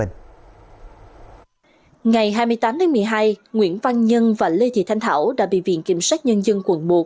ngày hai mươi tám một mươi hai nguyễn văn nhân và lê thị thanh thảo đã bị viện kiểm sát nhân dân quận một